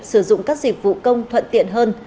sử dụng các dịch vụ công thuận tiện hơn